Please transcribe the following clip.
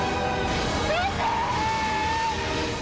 มิสเตอร์